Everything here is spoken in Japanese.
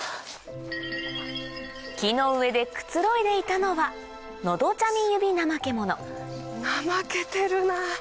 木の上でくつろいでいたのは怠けてるな。